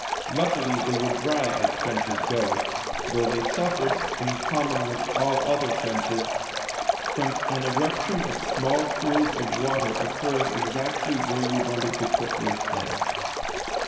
Luckily they were dry, as trenches go, though they suffered, in common with all other trenches, from an eruption of small pools of water occurring exactly where you wanted to put your head.